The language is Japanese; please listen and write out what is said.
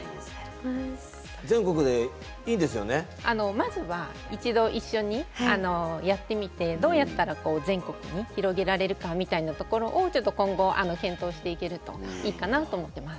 まずは一度一緒にやってみてどうやったら全国に広げられるかみたいなところをちょっと今後検討していけるといいかなと思ってます。